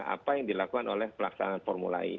apa yang dilakukan oleh pelaksanaan formula e